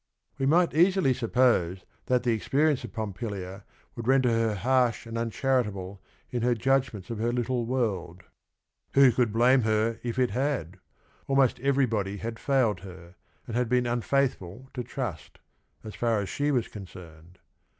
We might easily suppose that the experience of Pompilia would render her harsh and un charitable in her judgments of her little world. 124 THE RING AND THE BOOK Who could blame her if it had? Almost every body had failed her, and had been unfaithful to trust, as far as she was concerned.